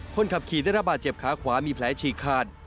คนขับขี่ได้ระบาดเจ็บขาขวามีแผลฉีกขาด